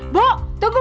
bu tunggu bu